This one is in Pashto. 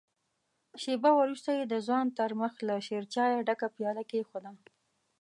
شېبه وروسته يې د ځوان تر مخ له شيرچايه ډکه پياله کېښوده.